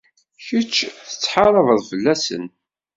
Kečč tettḥarabeḍ fell-asen.